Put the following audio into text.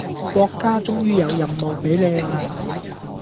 國家終於有任務俾你喇